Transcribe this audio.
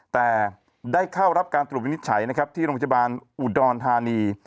แต่ได้เข้ารับการตรวจวินิจฉัยนะครับที่โรงพยาบาลอุดรธานี